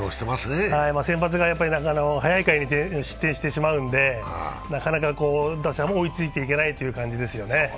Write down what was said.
先発が早い回に失点してしまうので、なかなか打者も追いついていけないという感じですよね。